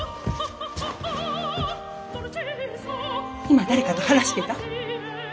今誰かと話してた？